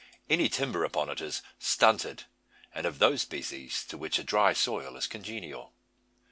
Any timber upon it is stunted, and of those species to which a dry soil is congenial.